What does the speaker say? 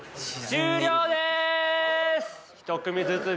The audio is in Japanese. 終了です！